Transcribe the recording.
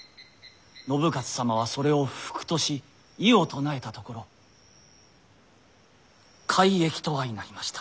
信雄様はそれを不服とし異を唱えたところ改易と相なりました。